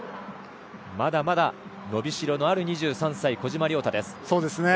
まだまだ伸びしろのある２３歳小島良太です。